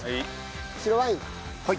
白ワイン。